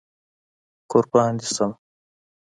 قربان دي شمه